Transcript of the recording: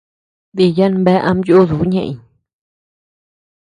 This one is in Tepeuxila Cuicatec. Diya bea ama yuduu ñeʼëñ.